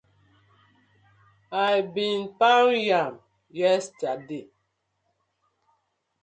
I bin pawn yam yestade.